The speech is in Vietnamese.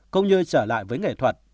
cũng như trở lại với nghệ thuật